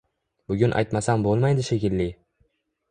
Bugun aytmasam bo‘lmaydi shekilli